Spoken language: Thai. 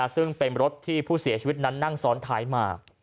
ซึ่งเป็นรถที่ผู้เสียชีวิตนั้นนั่งซ้อนท้ายมา